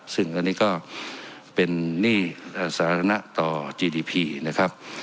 ซึ่งอันนี้ก็เป็นหนี้สาธารณะต่อจีดีพีนะครับ